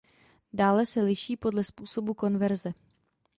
Dále se liší podle způsobu konverze.